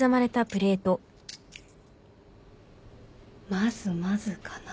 まずまずかな。